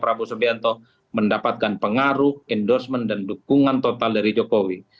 prabowo subianto mendapatkan pengaruh endorsement dan dukungan total dari jokowi